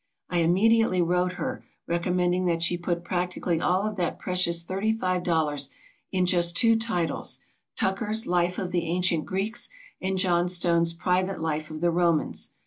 I immediately wrote her, recommending that she put practically all of that precious $35 in just two titles, Tucker's "Life of the Ancient Greeks" and Johnstone's "Private Life of the Romans."